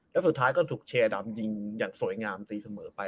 แล้วสุดท้ายก็ถูกเชดำยิงอย่างสวยงามตีเสมอไป